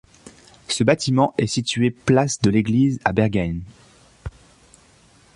Ce bâtiment est situé place de l'Église à Bergheim.